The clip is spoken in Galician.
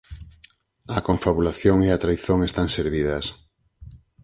A confabulación e a traizón están servidas.